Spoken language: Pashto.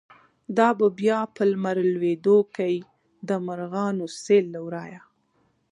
دابه بیا په لمر لویدوکی، دمرغانو سیل له ورایه”